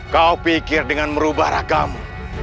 kau pikir dengan merubah ragamu